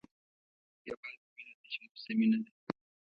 یوازې مینه ده چې موسمي نه ده.